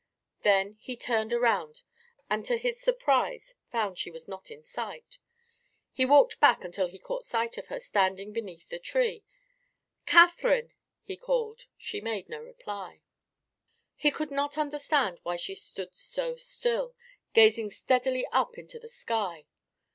Then he turned around and to his surprise found she was not in sight. He walked back until he caught sight of her standing beneath the tree. "Catherine!" he called. She made no reply. He could not understand why she stood so still, gazing steadily up into the sky.